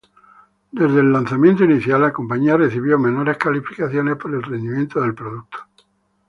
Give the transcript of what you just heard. Desde el lanzamiento inicial, la compañía recibió mejores calificaciones por el rendimiento del producto.